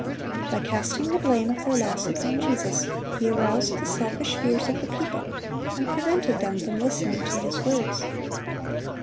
By casting the blame of their loss upon Jesus, he aroused the selfish fears of the people, and prevented them from listening to His words.